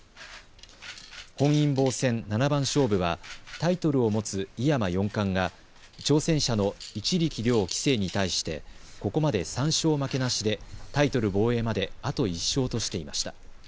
本因坊戦七番勝負はタイトルを持つ井山四冠が挑戦者の一力遼棋聖に対してここまで３勝負けなしでタイトル防衛まであと１勝としていました。